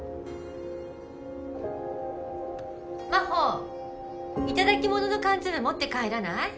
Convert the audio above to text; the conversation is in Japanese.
真帆頂き物の缶詰持って帰らない？